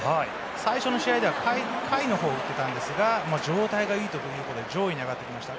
最初の試合では下位を打っていたんですが状態がいいということで上位に上がってきました。